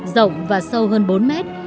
rộng và sâu hơn bốn mét